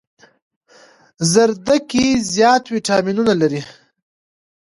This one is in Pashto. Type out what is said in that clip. زردکي زيات ويټامينونه لري